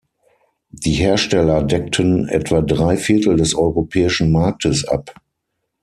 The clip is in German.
Die Hersteller deckten etwa drei Viertel des europäischen Marktes ab.